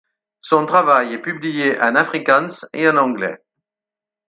Son travail est publié en afrikaans et en anglais.